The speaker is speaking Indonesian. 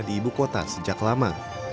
di ibu kota sejak lama